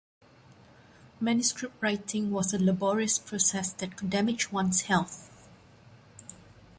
Manuscript-writing was a laborious process that could damage one's health.